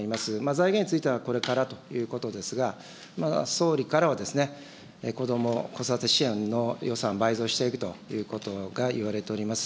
財源についてはこれからということですが、総理からは、子ども・子育て支援の予算倍増していくということが言われております。